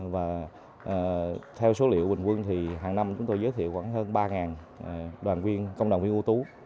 và theo số liệu bình quân thì hàng năm chúng tôi giới thiệu khoảng hơn ba đoàn viên công đoàn viên ưu tú